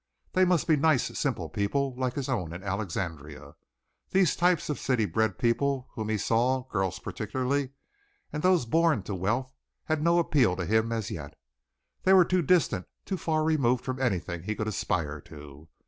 They must be nice, simple people like his own in Alexandria. These types of city bred people whom he saw girls particularly and those born to wealth, had no appeal for him as yet. They were too distant, too far removed from anything he could aspire to.